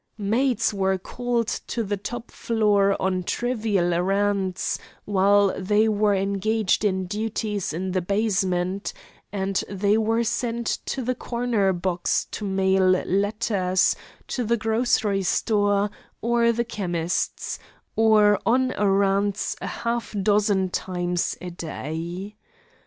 Maids were called to the top floor on trivial errands, while they were engaged in duties in the basement, and they were sent to the corner box to mail letters, to the grocery store, or the chemist's, or on errands a half dozen times a day.